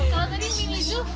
kalau tadi minizu